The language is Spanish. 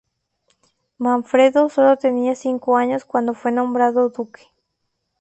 Manfredo sólo tenía cinco años cuando fue nombrado duque.